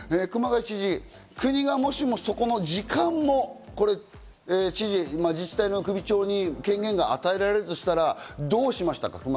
熊谷知事、もしも国がそこの時間も自治体の首長に権限が与えられるとしたら、どうしましたか？